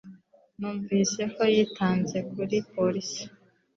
Numvise ko yitanze kuri polisi